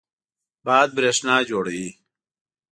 باد برېښنا جوړوي.